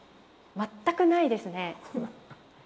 全くないですね。